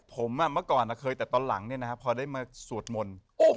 ผมเมื่อก่อนเคยแต่ตอนหลังพอได้มาสวดมนต์